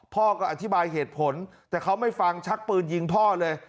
พ่อก็อธิบายเหตุผลแต่เขาไม่ฟังชักปืนยิงพ่อเลย